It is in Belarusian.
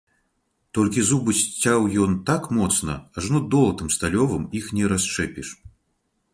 Толькі зубы сцяў ён так моцна, ажно долатам сталёвым іх не расшчэпіш.